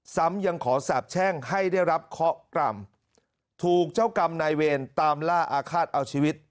ซ้ำยังขอสาบแช่งให้ได้รับเคาะกรรมถูกเจ้ากรรมนายเวรตามล่าอาฆาตเอาชีวิต